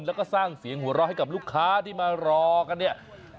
แล้วก็สร้างเสียงหัวเราะให้กับลูกค้าที่มารอกันเนี่ย